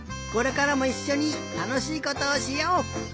これからもいっしょにたのしいことをしよう！